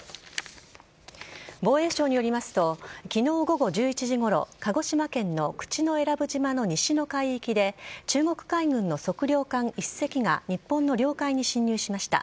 防衛省によりますと昨日午後１１時ごろ鹿児島県の口永良部島の西の海域で中国海軍の測量艦１隻が日本の領海に侵入しました。